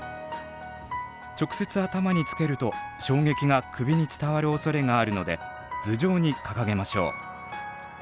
直接頭につけると衝撃が首に伝わるおそれがあるので頭上に掲げましょう。